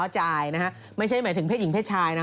จ่ายนะฮะไม่ใช่หมายถึงเพศหญิงเพศชายนะ